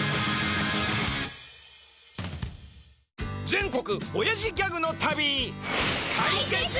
全国おやじギャグの旅！